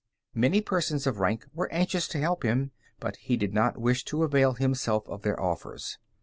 Many persons of rank were anxious to help him, but he did not wish to avail himself of their offers.